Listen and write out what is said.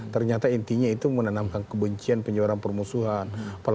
ternyata intinya itu menanamkan kebencian penyuaraan permusuhan